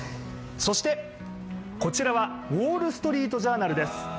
そしてこちらは「ウォールストリート・ジャーナル」です。